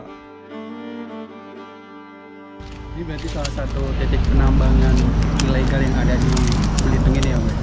apa detik penambangan ilegal yang ada di belitung ini ya om